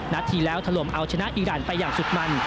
นาทีแล้วถล่มเอาชนะอีรานไปอย่างสุดมัน